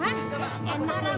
diam lu ke padahal